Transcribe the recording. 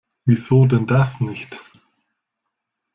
Wieso denn das nicht?